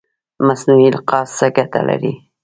مصنوعي القاح څه ګټه لري؟